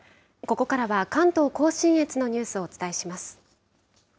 ここからは、関東甲信越のニュースをお伝えします。